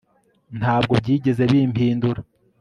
ntabwo byigeze bimpindura